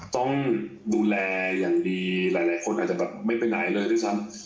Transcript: ต้องดูแลอย่างดีหลายคนอาจจะแบบไม่ไปไหนเลยด้วยซ้ำ